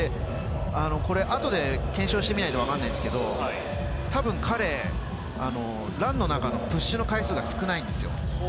後で検証してみないとわかんないんですけど、多分、彼ランの中のプッシュの回数が少ないんです。